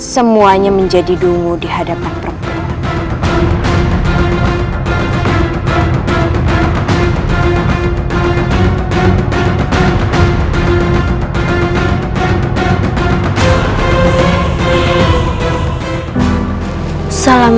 semuanya menjadi dungu di hadapan perempuan